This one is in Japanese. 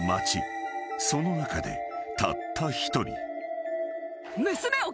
［その中でたった一人］